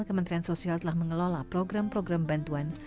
kementerian sosial telah mengelola program program bantuan